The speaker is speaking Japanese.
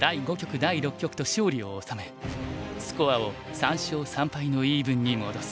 第六局と勝利を収めスコアを３勝３敗のイーブンに戻す。